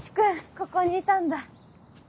ここにいたんだ。